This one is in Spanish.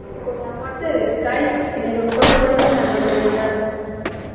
Con la muerte de Sky, el Doctor vuelve a la normalidad.